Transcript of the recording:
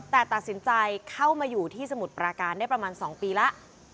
แต่ตัดสินใจเข้ามาอยู่ที่สมุทรปราการได้ประมาณ๒ปีแล้ว